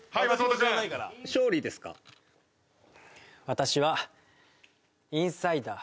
私はインサイダー。